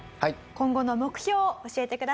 今後の目標を教えてください。